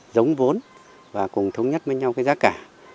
giống vốn và cùng thống nhất với nhau cái giá cả